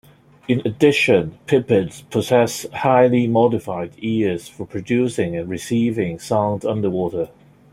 In addition, pipids possess highly modified ears for producing and receiving sound underwater.